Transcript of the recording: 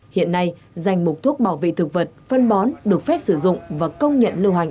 hiện nay danh mục thuốc bảo vệ thực vật phân bón được phép sử dụng và công nhận lưu hành